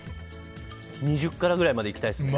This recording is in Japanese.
２０辛くらいまでいきたいですね。